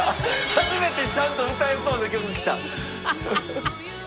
初めてちゃんと歌えそうな曲きた！